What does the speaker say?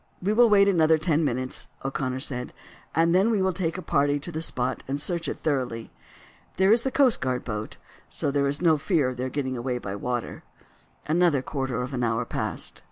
"We will wait another ten minutes," O'Connor said, "and then we will take a party to the spot and search it thoroughly. There is the coast guard boat, so there is no fear of their getting away by water." Another quarter of an hour passed.